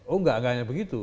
oh enggak enggak hanya begitu